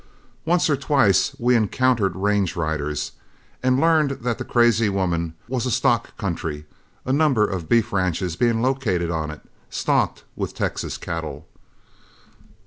Once or twice we encountered range riders, and learned that the Crazy Woman was a stock country, a number of beef ranches being located on it, stocked with Texas cattle.